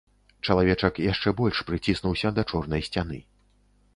Чалавечак яшчэ больш прыціснуўся да чорнай сцяны.